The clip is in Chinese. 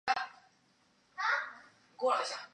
江苏省常州府武进县人。